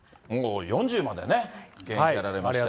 ４０までね、現役やられまして。